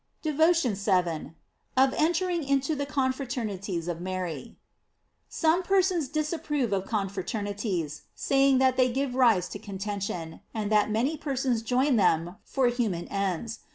DEVOTION VII. OF ENTERING INTO THE CONFRA TERNITIES OF MARY. SOME persons disapprove of confraternities, saying that they give rise to contention, and that many persons join them for human ends.